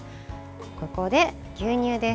ここで、牛乳です。